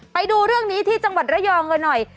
ไปดูเรื่องนี้ที่จังหวัดระยองกันหน่อย